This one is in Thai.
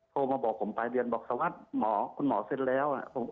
โทรมาบอกผมไปเรียนบอกสาวัสหมอคุณหมอเซ็นแล้วอะ